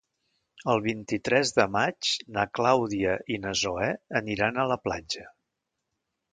El vint-i-tres de maig na Clàudia i na Zoè aniran a la platja.